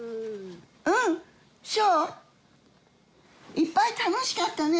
いっぱい楽しかったね。